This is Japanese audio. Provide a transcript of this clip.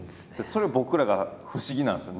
それ僕らが不思議なんですよ。